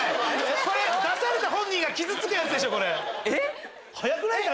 これ出された本人が傷つくやつでしょ！